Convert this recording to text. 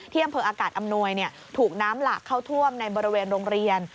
อำเภออากาศอำนวยถูกน้ำหลากเข้าท่วมในบริเวณโรงเรียน